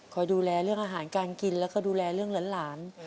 ดูแลเรื่องอาหารการกินแล้วก็ดูแลเรื่องหลาน